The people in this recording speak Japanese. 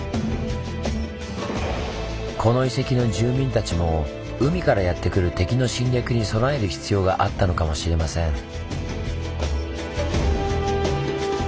この遺跡の住民たちも海からやって来る敵の侵略に備える必要があったのかもしれません。